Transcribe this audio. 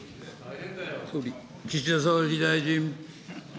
岸田総理大臣。